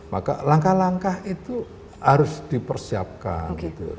maka langkah langkah itu harus dipersiapkan